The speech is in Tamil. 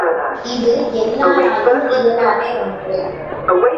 இது எல்லாராலும் இயலாத ஒன்று.